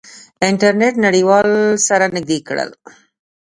انټرنیټ نړیوال سره نزدې کړل.